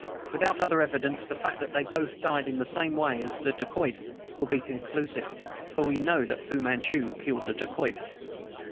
Without other evidence, the fact that they both died in the same way as the dacoit would be conclusive, for we know that Fu Manchu killed the dacoit!"